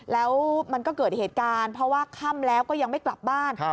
แล้วมันก็เกิดเหตุการณ์เพราะว่าค่ำแล้วก็ยังไม่กลับบ้าน